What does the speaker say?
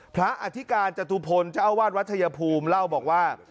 อธิการจตุพลเจ้าอาวาสวัดชายภูมิเล่าบอกว่า